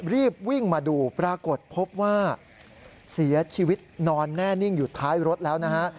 รีบวิ่งมาดูปรากฏพบว่าเสียชีวิตนอนแน่นิ่งอยู่ท้ายรถแล้วนะฮะ